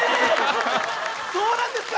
そうなんですか？